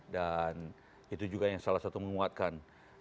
dan itu juga yang salah satu memuatkan